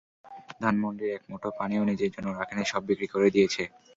ধানপান্ডির এক মুঠো মাটিও নিজের জন্য রাখেনি সব বিক্রি করে দিয়েছে।